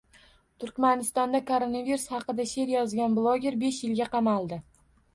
Turkmanistonda koronavirus haqida she’r yozgan blogerbeshyilga qamaldi